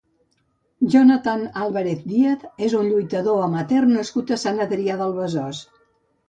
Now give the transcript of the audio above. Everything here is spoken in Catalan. Jonathan Álvarez Díaz és un lluitador amateur nascut a Sant Adrià de Besòs.